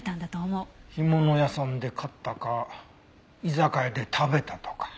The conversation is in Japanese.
干物屋さんで買ったか居酒屋で食べたとか。